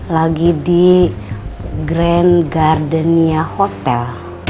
lagi di grand garden nya hotel